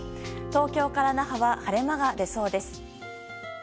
東京から那覇は晴れ間が出そうです。